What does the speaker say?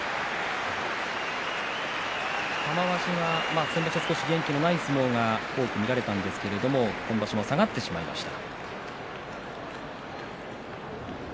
玉鷲は先場所は少し元気がない相撲が多く見られましたが今場所も下がってしまいました。